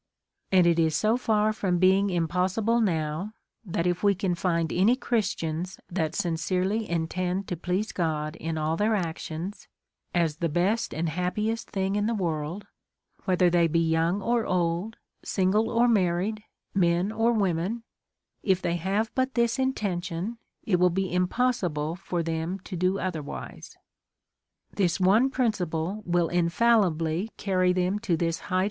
And it is so far from being impossible now, that if we can find any / C'hristians that sincerely intend to please God in all their actions, as the best and happiest thing in the world, v/hether they be young or old, single or mar , ried, men or women, if they have but this intention^ it will be impossible for them to do otherwise. This one principle will infallibly carry them to this height J^